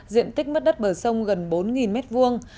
diện tích mất đất bờ sông gần bốn mét vuông